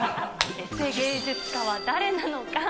エセ芸術家は誰なのか？